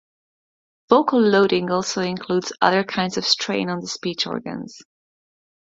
Vocal loading also includes other kinds of strain on the speech organs.